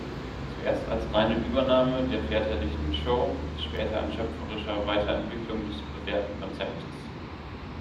Zuerst als reine Übernahme der väterlichen Show, später in schöpferischer Weiterentwicklung des bewährten Konzeptes.